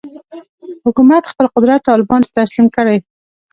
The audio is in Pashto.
حکومت خپل قدرت طالبانو ته تسلیم کړي.